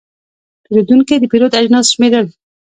پیرودونکی د پیرود اجناس شمېرل.